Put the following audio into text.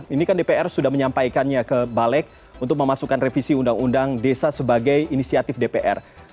ini kan dpr sudah menyampaikannya ke balek untuk memasukkan revisi undang undang desa sebagai inisiatif dpr